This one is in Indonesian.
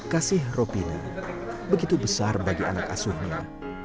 kasih ropina begitu besar bagi anak asuhnya